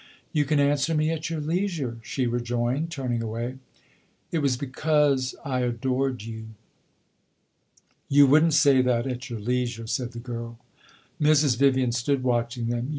"You can answer me at your leisure," she rejoined, turning away. "It was because I adored you." "You would n't say that at your leisure," said the girl. Mrs. Vivian stood watching them.